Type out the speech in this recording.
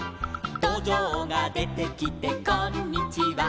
「どじょうが出て来てこんにちは」